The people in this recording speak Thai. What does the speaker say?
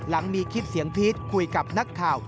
มีคลิปเสียงพีชคุยกับนักข่าว